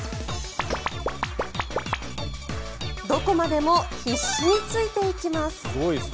どこまでも必死についていきます。